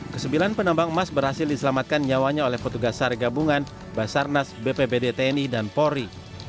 kesebilan penambang emas berhasil diselamatkan nyawanya oleh petugas sargabungan basarnas bpbd tni dan polri